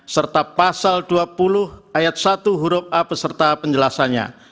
serta pasal dua puluh ayat satu huruf a beserta penjelasannya